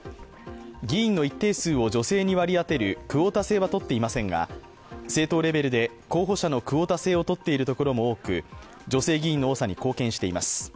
議員の一定数を女性に割り当てるクオータ制はとっていませんが政党レベルで候補者のクオータ制をとっているところも多く女性議員の多さに貢献しています。